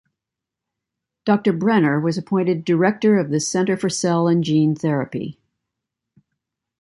Doctor Brenner was appointed Director of the Center for Cell and Gene Therapy.